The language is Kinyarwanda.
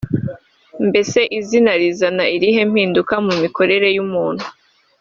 Mbese izina rizana izihe mpinduka mu mikorere y’umuntu